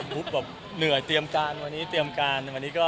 เหนื่อยเตรียมการวันนี้ทีมการ